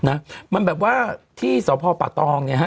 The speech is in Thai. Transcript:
นะมันแบบว่าที่สพปะตองเนี่ยฮะ